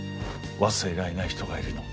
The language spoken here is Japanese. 「忘れられない人がいるの」。